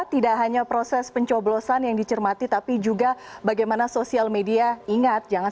tidak hanya proses pencoblosan yang dicermati tapi juga bagaimana sosial media ingat jangan